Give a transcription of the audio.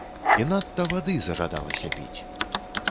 І надта вады зажадалася піць.